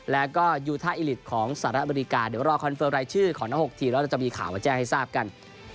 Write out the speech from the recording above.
แล้วก็ยูท่าอิลิตของสหรัฐอเมริกาเดี๋ยวรอคอนเฟิร์มรายชื่อของทั้ง๖ทีมแล้วเราจะมีข่าวมาแจ้งให้ทราบกัน